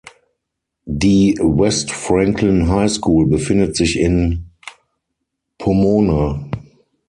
Die West Franklin High School befindet sich in Pomona.